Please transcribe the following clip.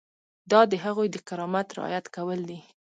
دا د هغوی د کرامت رعایت کول دي.